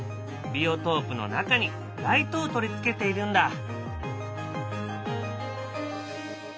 ビオトープの中にライトを取り付けているんだ。